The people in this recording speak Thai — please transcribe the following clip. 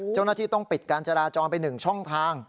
เจ้าหน้าที่ต้องปิดการจราจรไป๑ช่องทาง